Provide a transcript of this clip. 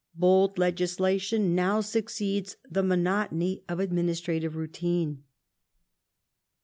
Bold legislation now succeeds the monotony of administrative routine.